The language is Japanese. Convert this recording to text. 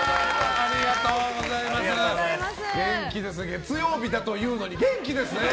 月曜日だというのに元気ですね！